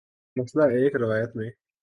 مثلا ایک روایت میں